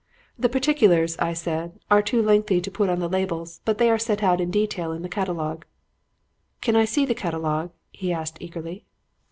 "'The particulars,' I said, 'are too lengthy to put on the labels, but they are set out in detail in the catalogue.' "'Can I see the catalogue?' he asked eagerly.